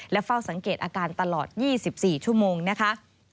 เฝ้าสังเกตอาการตลอด๒๔ชั่วโมงนะคะ